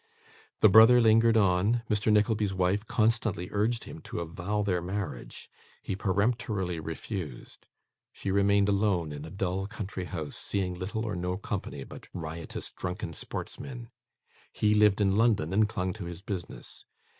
The brother lingered on; Mr. Nickleby's wife constantly urged him to avow their marriage; he peremptorily refused. She remained alone in a dull country house: seeing little or no company but riotous, drunken sportsmen. He lived in London and clung to his business.